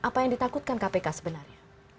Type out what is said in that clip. apa yang ditakutkan kpk sebenarnya